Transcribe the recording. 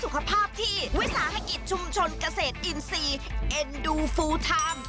สุขภาพที่วิสาหกิจชุมชนเกษตรอินทรีย์เอ็นดูฟูลไทม์